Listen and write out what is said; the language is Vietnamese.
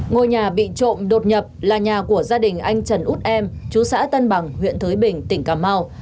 ngôi nhà bị trộm đột nhập là nhà của gia đình anh trần út em chú xã tân bằng huyện thới bình tỉnh cà mau